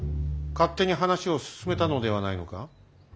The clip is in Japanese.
勝手に話を進めたのではないのか？